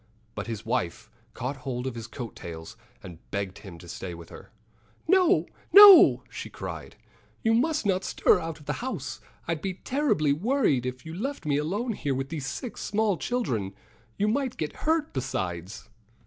But his wife caught hold of his coat tails and begged him to stay with her. "No! no!" she cried. "You must not stir out of the house. I'd be terribly worried if you left me alone here with these six small children. And you might get hurt, besides."